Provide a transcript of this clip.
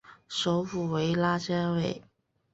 首府为拉加韦。